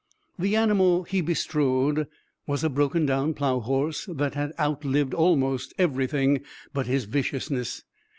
The animal he bestrode was a broken down plow horse that had outlived almost everything but his viciousness.